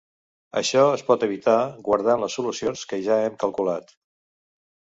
Això es pot evitar guardant les solucions que ja hem calculat.